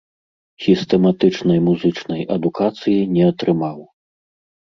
Сістэматычнай музычнай адукацыі не атрымаў.